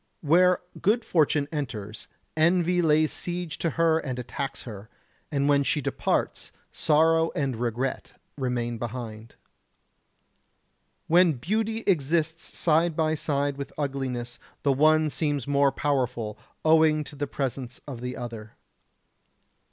Where good fortune enters, envy lays siege to her and attacks her, and when she departs sorrow and regret remain behind. When beauty exists side by side with ugliness, the one seems more powerful, owing to the presence of the other.